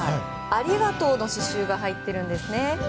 「ありがとう」の刺しゅうが入っているんですね。